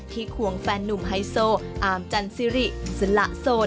ควงแฟนนุ่มไฮโซอามจันซิริสละโสด